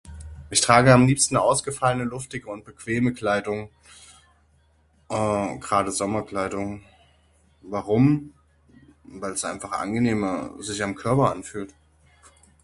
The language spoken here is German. Ich trage am liebsten ausgefallene, luftige und bequeme Kleidung eh grade Sommerkleidung, warum? Weil es einfach angenehmer sich am Körper anfühlt.